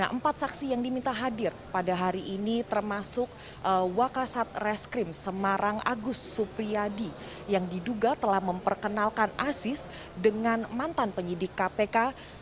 empat saksi yang diminta hadir pada hari ini termasuk wakasat reskrim semarang agus supriyadi yang diduga telah memperkenalkan aziz dengan mantan penyidik kpk